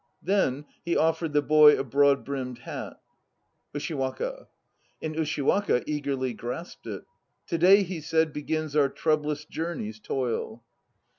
Then he offered the boy a broad brimmed hat. USHIWAKA. And Ushiwaka eagerly grasped it. To day, he said, begins our troublous journey's toil.